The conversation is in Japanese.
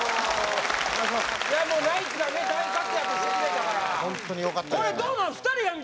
もうナイツが大活躍してくれたからホントによかったですね